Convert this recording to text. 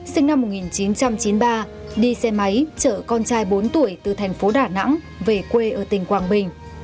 sinh năm một nghìn chín trăm chín mươi ba đi xe máy chở con trai bốn tuổi từ thành phố đà nẵng về quê ở tỉnh quảng bình